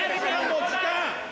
もう時間！